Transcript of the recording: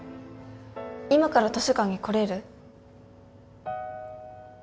今から図書館に来れる？